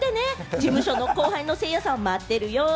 事務所の後輩のせいやさん待ってるよ。